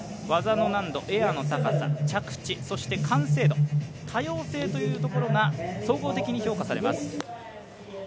技の難度、エアの高さ、着地、そして完成度、多様性というところが総合的に評価されます。